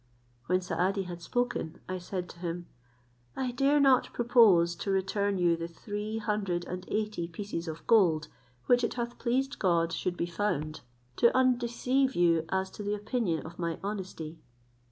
When Saadi had spoken, I said to him, "I dare not propose to return you the three hundred and eighty pieces of gold which it hath pleased God should be found, to undeceive you as to the opinion of my honesty.